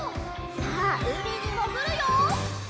さあうみにもぐるよ！